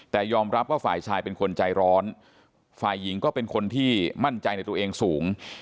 แต่ยอมรับว่าฝ่ายชายเป็นคนใจร้อนฝ่ายหญิงก็เป็นคนที่มั่นใจในตัวเองสูง